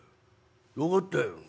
分かったよ。